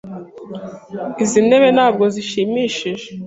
Izi ntebe ntabwo zishimishije.